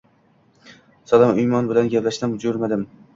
Sog’lom imon bilan yashasin jo’mard